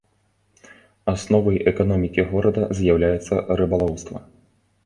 Асновай эканомікі горада з'яўляецца рыбалоўства.